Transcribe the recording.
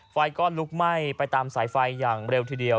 ไฟก็ลุกไหม้ไปตามสายไฟอย่างเร็วทีเดียว